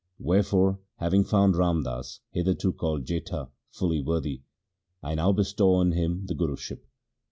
Where fore, having found Ram Das — hitherto called Jetha — fully worthy, I now bestow on him the Guruship.'